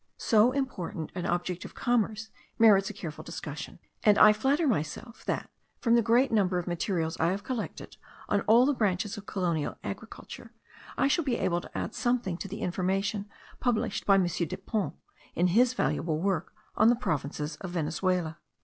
So important an object of commerce merits a careful discussion; and I flatter myself, that, from the great number of materials I have collected on all the branches of colonial agriculture, I shall be able to add something to the information published by M. Depons, in his valuable work on the provinces of Venezuela.